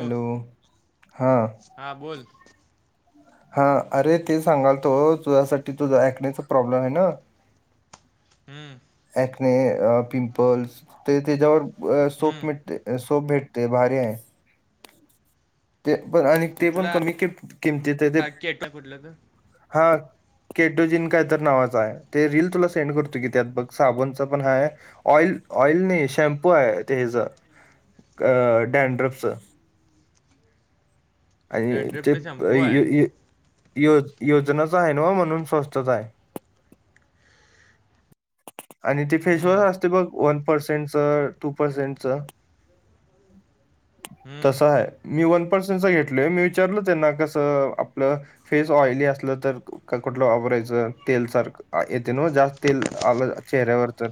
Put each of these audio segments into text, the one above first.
Hello हां! हां बोल! हा अरे ते सांगाल तो तुझ्यासाठी तुझा ऐकण्याचा प्रॉब्लेम आहे ना. [unintelligible] हम्म. ने पिंपल्स ते त्याच्यावर सोप हम्म मिळते. सोप भेटतेय भारी आहे. ते पण आणि ते पण कुठला कमी कि किंमतीत ते केट कुठला तर हा. केटडोजिन का तर नावाचा आहे ते रील तुला सेंड करतो की त्यात बघ साबणचा पण हा आहे. ऑइल ऑइल नाही शॅम्पू आहे तेच अ डॅनड्रपच. आणि ते डॅन्ड्रफचा शॅम्पू आहे यो योजनाच आहे ना वा म्हणून स्वस्थचा आहे. आणि ते फेशवॉश हम्म असते बघ वन पर्सेंटचं टू पर्सेंटचं. [inaudible] हम्म तसं आहे मी वन पर्सेंटचा घेतलोय मी विचारल त्यांना कसं आपलं फेस ऑइली असलं तर कुठलं वापरायचं तेल सारख येते नव्ह जास्त तेल आलं चेहऱ्यावर तर.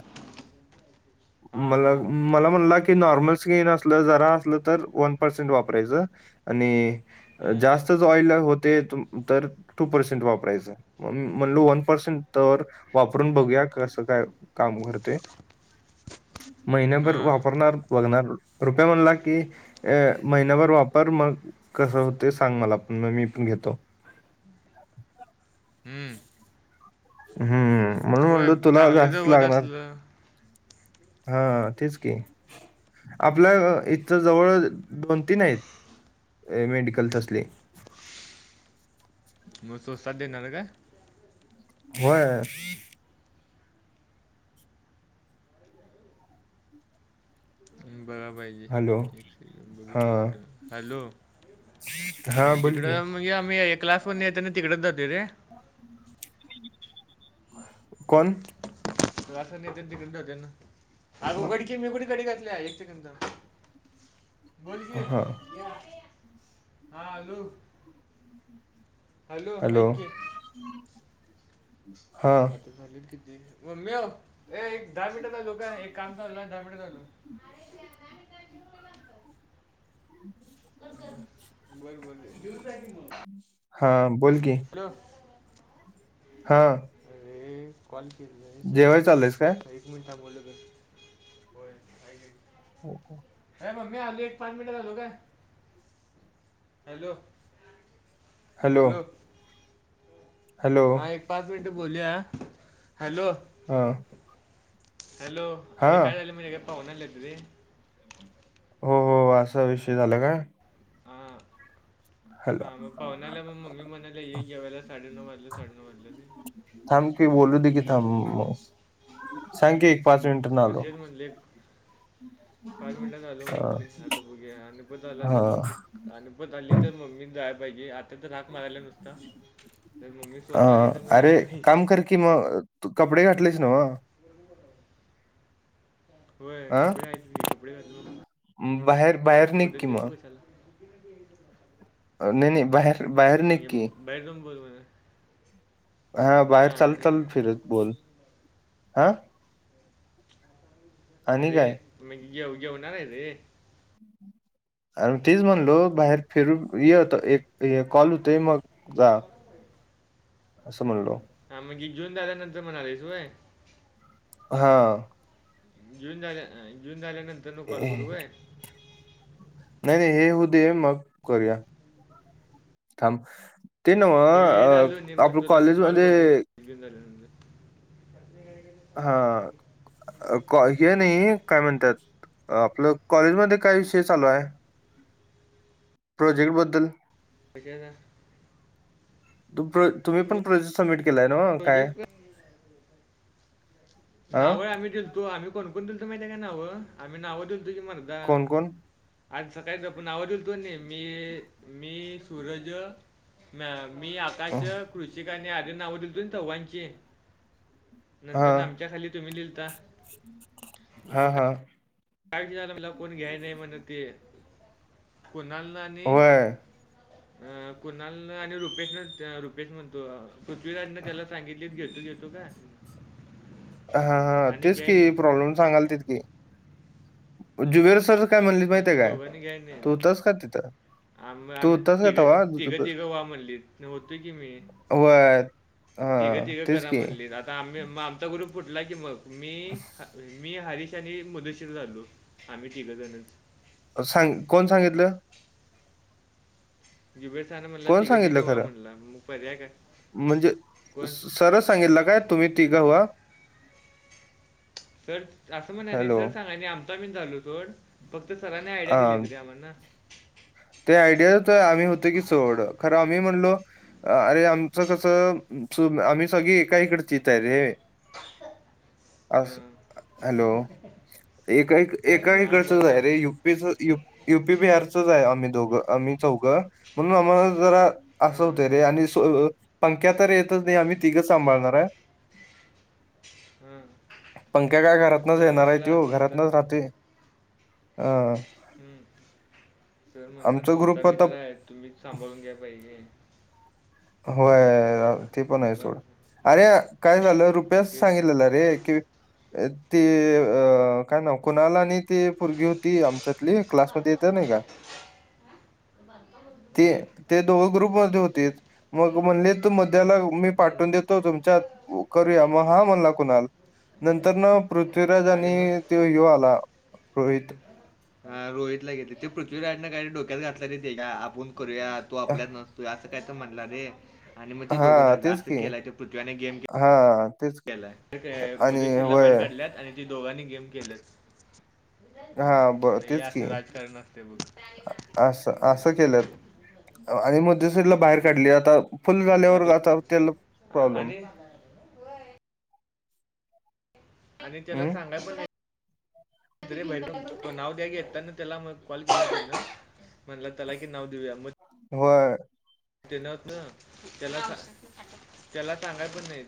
हा मला हा मला म्हणलां की नॉर्मल स्किन असलं जरा असलं तर वन पर्सेंट वापरायचं आणि हम्म जास्तच ऑइल होतेय तर टू पर्सेंट वापरायचं. म्हणलो वन पर्सेंट तवर‌ वापरून बघूया कसं काय काम करतय? महिन्याभर हा वापरणार बघणार रुप्या म्हणला की अ महिन्याभर वापर मग कसं होते सांग मला पण मग मी पण घेतो. हम्म. हम्म म्हणून होय म्हणलो तुला चांगलं जास्त जवळ लागणार असलं हा तेच की. आपल्या इथच जवळ दोन तीन आहेत मेडिकल तसली. मग सोसा देणार काय? व्हय. [inaudible] बघाय पाहिजे. हॅलो हा हॅलो. हा बोल की तिकडं म्हणजे आम्ही क्लास वरन‌ येेतान‌‌ तिकडच जातो रे. कोण? क्लास वरन येतान‌‌ तिकंडच जात्यात ना. अगं उघड की मी कुठं कडी घातल्या एक सेकंद. बोल की हा हा आलो. हॅलो ऐक की हा. झालेत किती? मम्मे व एक दहा मिनिटात‌ आलो काय एक काम चालु हाय दहा मिनिटत आलो. हम्. बरं बरं जेवून जा की म. हा बोल की. हॅलो. हा [unintelligible] एक जेवाय चाललंयस काय मिनटां बोलोगे होय. हो हो. ते मम्मे आलोय पाच मिनिटांत आलो काय? Hello, hello. हॅलो हा एक पाच मिनिटं बोलुया हॅलो. हा. हॅलो हा अरे काय झालंय माहित काय पाव्हणं आल्यात रे. हो हो असा विषय झाला काय? हां हॅलो हां मग पाहुणे आल्यात मग मम्मी म्हणायला ये जेवायला साडेनऊ वाजल्यात साडेनऊ वाजल्यात. थांब की बोलू दे की थांब म सांग की. पाच मिनिटांन म आलो तेच म्हणले. पाच मिनिटात आलो अ म्हटले आता बघू आणि पण परत आला हा तर मग अपत आली तर मम्मी जाय पाहिजे आ मी तर मारायला नुसता तर मम्मी स्वतः आली तर मग दात नाही आहेे कि म तु कपडे घाठलेच नवं होय अ कपडे आहेत कपडे घ बाहेर बाहेर निघ फडन की मग गेटश नाही नाही बाहेर बाहेर निग की बाहेर चावून बोल बाहेर हा बाहेर चाल चाल फिरत बोल हा आणि अरे काय तुम्ही येऊ येऊणार आहे रे आणि तीज म्हणलो बाहेर फिरून य होत एक हे कॉल होतोय मग जा असं म्हणलो हा मग एन्जॉय झाल्यानंतर म्हणणार आहेस होय हा जेवन झाल्या जेवन झाल्यानंतर न कॉल करू वय नाही नाही हे होऊ दे मग करूया थांब ते नव हे आपण कॉलेज मध्ये विन झालेलं म्हलं अडज का हा ह हे नाही काय म्हणतात आपलं कॉलेजमध्येध्ये काय विषय चालू आहे प्रोजेक्टबद्दल म्हज तुम्ही पण प्रोजेक्ट सबमिट केलाय ना काय प्रोजेक्ट हा नावं आम्ही दिलो आम्ही कोणकण दिलतो माहिती का नावं आम्ही नावं दिलन दिल म्हन दा कोण कोण आज सकाळीच आपण आवडच दोन्ही मी मी सूरज म मी अ, ताश कृषि कन्या आधी नाव दिलते तवांची हा नंतर नाम त्या खाली तुम्ही लिहिलंता हा हा काज झाला लपवून घ्यायचे ती म्हणत ती कुणाल आणि ह अ कुणाल आणि रुपेश न रुपेश म्हणतो पृथ्वीराजन त्याला सांगितले घेतो घेतो तुझ्या हा हा तेच घ्याय की नाहीत प्रॉब्लेम सांगालतेत की जुवेर सर काय म्हणली मग माहितीय ती काय दोघांनी घ्याय तू नाही होतस का तिथं आम तू आम्ही होतास का तिघं तवा तिघं जुबेर तिघं वा म्हणली होतोय की मी वर तिघं तिघं करा म्हणलीत आता आमी मग आमचा गुरुप फुटला की मग मी मी हरीश नी मुदशीर झालो आम्ही तिघेजण सांग कोण सांगितलं जिबेड छान म्हणल कोण तिघं सांगितलं तिघं व्हा खरं म्हणला मग पर्याय काय म्हणजे कोण? सरन सांगितलं काय तुम्ही तिघ व्हा सर असं म्हणाय नाही हॅलो सर सांगाय नाही आमच आम्ही झालो सोड फक्त सरने आयडिया हा दिलीत रे आम्हाना. ते आयडिया आम्ही होतो की सोड. खरं आम्ही म्हणलो अरे आमचं कसं आम्ही सगळी एकाइकडचीच आहे रे. अस. हां. हॅलो. एका हां बोल एकाहीकडचच ना. आहे रे युपीच युपी बीहारचच आहे अमि. दोघं आम्ही चौघं म्हणून आम्हाला जरा अस हां. होतंय रे. आणि पंक्या तर येतच नाही. आम्ही तिघंच सांभाळणार हाय. ह. पंक्या काय घरातनच येणार आहे त्यो तुमचा घरातनच राहतोय. अं. हम्म सर म्हटलं आमचा तुमचा ग्रुप आता मित्र आहे तुम्हीच सांभाळून घ्याय पाहिजे. होय. ते पण आहे मग सोड. अरे काय झालं रुप्याच मग ते सांगितलेलं. अरे कि त काय नाव कुणाल आणि त पोरगी होतीत. तली क्लासमध्ये येत नाही का? ते हम्म. ते दोघं ग्रुपमध्ये होतीत. मग म्हणले तू म त्याला मी हम्म. पाठवून देतो तुमच्यात करूया मग हा म्हणला कुणाल. नंतर न पृथ्वीराज अरे आणि मग तो यो आला. रोहित [inaudible] रोहितला गेतले ते पृथ्वीराजनें काय डोक्यात घातला तेते का आपण करूया तो आपल्यात नसतो य म्हटला रे आणि मग त दोघं झाली असं केलाय ते पृथ्वी्यान गेम केला. हा. मुदेशीरला बाहेर काढल्यात आणि ती दोघांनी गेम केल्यात. हां, ब आणि हे तेच की असं राजकारण असते बघ. असं असं केल्यात. आणि मग मुद्दे शिरला बाहेर अं, काढली आता फुल झाल्यावर आता त्याला अं, प्रॉब्लेम. आणि आणि त्याला हं, सांगाय प [inaudible] रेई तो नाव द्या गेलात ना त्याला मग कॉल कर ना. म्हणलं त्याला की नाव देऊया आपण. व्हय. ते नवत ना त्याला त्याला सांगाय पण नाहीत.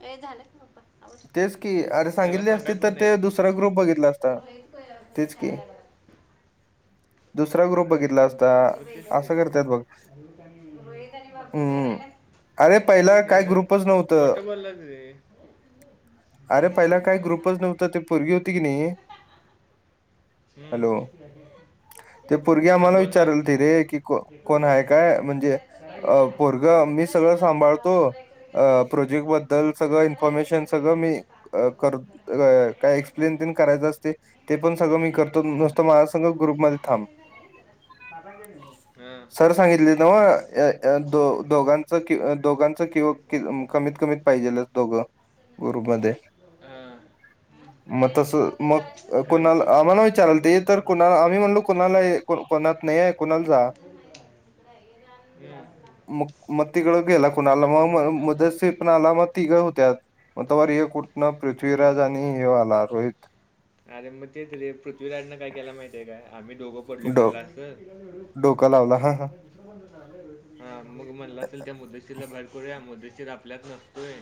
हे झालं का ओपन. तेच की अरे त्याला सांगितली असती सांगाय तर पण नाहीत. ते दुसरा ग्रुप बघितला असता तेच की दुसरा ग्रुप बघितला असता मग तेच की. असं करतात बघ हम्म अरे पहिला काय तेत्याच‌‌. ग्रुपच नव्हतं खोट बोललास रे. अरे पहिला काय ग्रुपच नव्हतं ते पोरगी होती की नाही. हम्म. हॅलो ते पोरगी हा आम्हाला बोल ना हा हा विचारल त रे की कोण आहे काय म्हणजे अ पोरग मी सगळं सांभाळतो प्रोजेक्ट बद्दल सगळं इन्फॉर्मेशन सगल मी कर काय एक्सप्लिन ते करायच अस ते पण सगळं मी करतो‌ नुसतं माझ संग ग्रुप मधे थांब. बाबा जेणू. ह. सर सांगितले नव द दोघांच कि दोघांच किंवा कमीत कमीत पाहिजेल दोघं ग्रुपमध्ये. मग तसं मग. खरं. मग कुणाल आम्हाला विचाराल ते तर कुणाला आम्ही म्हणलो कुणाल कोणात नाही आहे कुणाल जा. मग-मग तिकडं गेला कोणाला ते म मग- मग-मग मुद्दासिर पण आला मग तिघ होत्या मग तवा रिऊ कुट पृथ्वीराज हा आणि हो आला रोहित. अरे मग तेच रे पृथ्वीराजना काय केयला माहतीय का आम्ही दोघं पडलय डो म्हणला असं. डोका लावला, हा-हा. हा मग म्हटलं असेल, त्या मुद्दासिर ला बाहेर करूया मुद्दासिर आपल्यात न होय,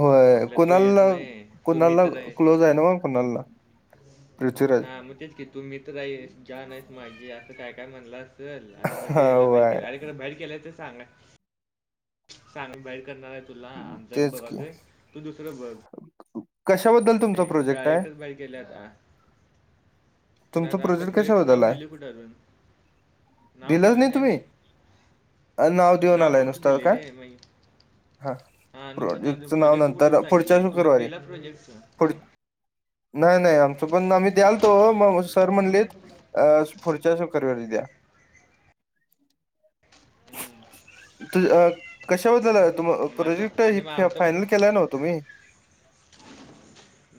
होय आपल्यात तो येत कोणाला नाही, तो कोणाला मित्र आहे. क्लोज ना मग कोणाला पृथ्वीराज हा मग तेच की. की तू मित्र आहेस, जान आहेस माझी, असं काय-काय म्हणलास. च आणि मग हा ते याला बाहेर होय केल्यात, आरे खरं बाहेर केलंय ते सांगय बाहेर करणार आहे तुला, आमचा आम्ही तेच की बघालोय तू दुसरं बघ, कशाबद्दल तुमचा प्रोजेक्ट आहे डायरेक्टच बाहीर केल्यात. तुमचा प्रोजेक्ट कशाबद्दल नाव हाय? दिले कुठं अजून दिलंच नाही तुम्ही, अ नाव देऊन आलाय फक्त नुसत दिले काय. रे मग [inaudible] हा, हा नुसतं देऊन प्रोजेक्टच नाव प्रोजेक्ट कुठं नंतर पुढच्या सांगितले तुम्ही शुक्रवारी दिला प्रोजेक्ट पु हा हम्म. नाही-नाही आमचं पण आम्ही द्यालतो सर म्हणलीत, अ पुढच्या शुक्रवारी द्या. [inaudible] तू अ कश्याबद्दल तुम मग आता प्रोजेक्ट आणि मग ह आमचं मग फायनल केलाय नव तुम्ही?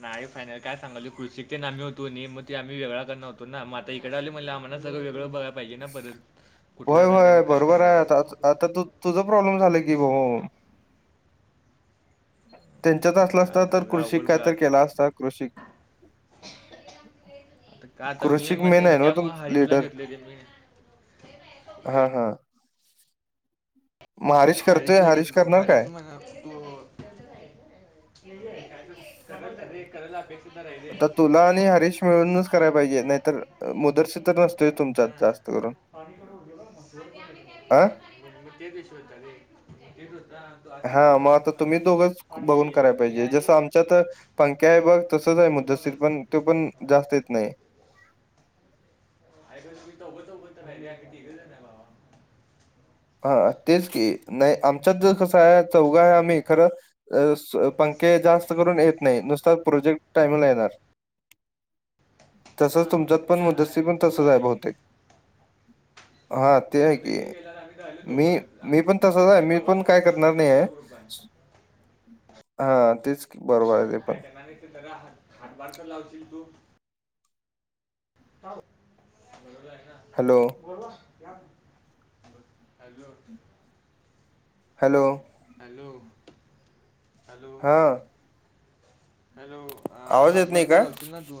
नाही फायनल, काय सांगाली कृषिक तेन आम्ही होतो मग ते आम्ही ते वेळा करण होतो ना, म आता इकडे आलोय म्हणल्यावर आम्हाला सगळं वेगळं बघाला पाहिजे ना परत, कुठला कारायचा आणि काय करायचं. तुझं प्रॉब्लेम झाला की, बोंबाबोंब. त्यांच्यात असलं असत का तर सगळं कृषिक अवघड काय का तर केला असत कृषिक. आता का आता मी कृषिक म मेन आहे ना तुम त्यामुळे हरीशला लीडर घेतले ते मी. होय. हा-हा. हरीश करतोय हरीशला घेतलो, करणार काय हरीश म्हणाला. हो करायला [unintelligible] आता तुला आणि हरीश मिळूनच कराय पाहिजे नाहीतर मुद्दासिर तर नसतोय तुमच्या हा जास्त करून. मग हा तेच विषय होता ते तेचं होता. तो हा आसिफचा मग आता म्हणाला मला तुम्ही दोघंच पाणी बघून कराय की मी पाहिजे, आणि जसं आमच्यात पंक्या आहे बघ. तसच आहे. थोडी मुद्दासिर मारली पण पडली तो पण जास्त येत नाही. आरे पण तुम्ही चौघ चौघजन हाय रे, आम्ही तिघे आहे भावा. हा तेच की, नाही आमच्यात ज कसं आहे. चौघा आहे आम्ही खरं पंक्या जास्त करून येत नाही, नुसत प्रोजेक्ट टाईमला येणार. तसंच हा मग तुमच्यात पण सुम्या मुद्दासित आहे पण तू तसं जा आहे आहेस भवतेक. हा ते मग आहे की. मध्यशी गेल्यावर आम्ही राहिलो दोघं मी-मी पण तसच आहे, तुमच्या मी पण चौघांचा काय ग्रुप करणार आमच्या नाही आहे. चौघांचा ग्रुप हा तेच. बरोबर आहे. ते काय पण करणार नाहीस तर जरा हात हातभार तर लावशील तू? बरोबर आहे ना. हॅलो. बोलवा हो या मग, हॅलो. हॅलो. हॅलो हॅलो हा हॅलो हा आवाज येत नाही हातभात तर का? लावशील ना तू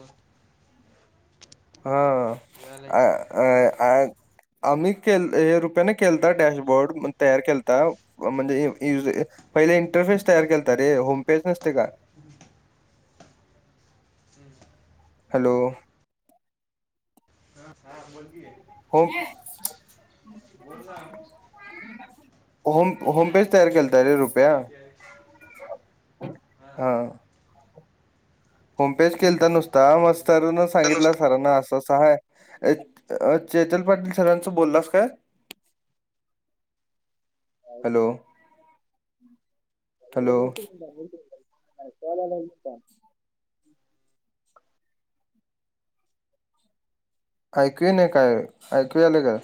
हा यायला अ की अ अ आम्ही केलत हे रुपयाने केलत डॅशबोर्ड म्हणुन तयार केलता म्हणजे य [unintelligible] पहिले इंटरफेस तयार केलत रे होम पेज नसते का हम् [unintelligible] ते [unintelligible] हॅलो हा हां बोल कि हो बोल ना [inaudible] होम होमपेज तयार केलं [inaudible] रुपया कोणतेच आहे हा [unintelligible] होम पेच केलता नुसता मस्तरन सांगितला सरांना अस तस आहे अ अ चेतल पाटील सरांच बोललास का हॅलो हॅलो रवाला का [unintelligible] ऐकू नाही काय ऐकू आलं काय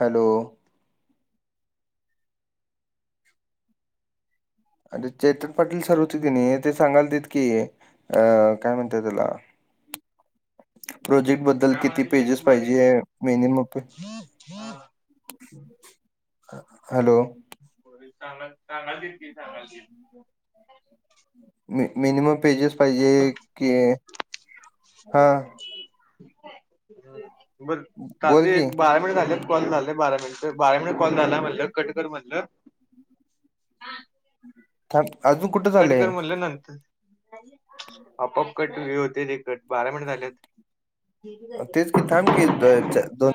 हॅलो.. अरे चेतन पाटील सर होते की नाही ते सांगाल तेेत की हे अ काय म्हणताय त्याला प्रोजेक्ट बद्द बद्दल काय किती म्हणाली पेजेस चेतन पाटील पाहिजे मिनिमम पे हॅ हॅलो होांग चांगलेत सांगल [unintelligible] मे मिनिमम पेजेस पाहिजे की हा बर चाल बोल ते की एक बार [inaudible] पण राहिलेले कॉल झाले बारा मिनिट बारावा कॉल झाला म्हटलं कटकर म्हटल. ताक अग कडकर म्हणलं नंतर आपण कट वे होते ते कट बारा मिनट झालेत [inaudible] तेच की झा थांब की द- च- दोन [inaudible]